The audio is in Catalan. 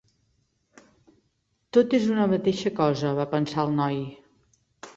Tot és una mateixa cosa, va pensar el noi.